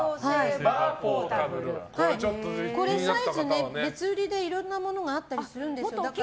サイズ、別売りでいろんなものがあったりするんです。